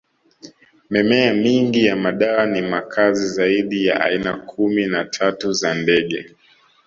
Mimea mingi ya madawa ni makazi zaidi ya aina kumi na tatu za ndege